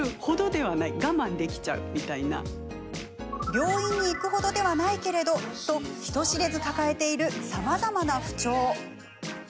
病院に行く程ではないけれどと人知れず抱えているさまざまな不調。